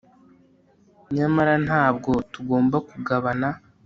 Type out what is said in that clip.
Nyamara ntabwo tugomba kugabana